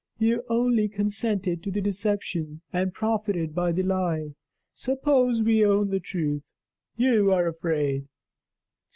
"You only consented to the deception, and profited by the lie. Suppose we own the truth? You are afraid."